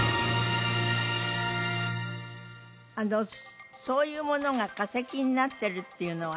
あのそういうものが化石になってるっていうのは